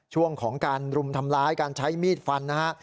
ช่วงของการรุมทำร้ายการใช้มีดฟันนะฮะ